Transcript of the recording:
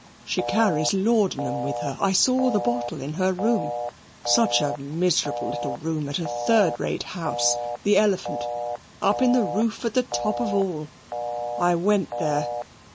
She carries laudanum with her I saw the bottle in her room such a miserable little room at a third rate house, the Elephant, up in the roof at the top of all. I went there."